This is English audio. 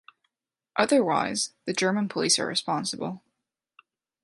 Otherwise, the German police are responsible.